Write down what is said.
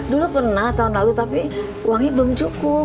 dulu pernah tahun lalu tapi uangnya belum cukup